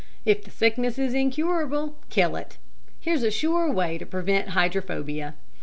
If the sickness is incurable, kill it. Here's a sure way to prevent hydrophobia.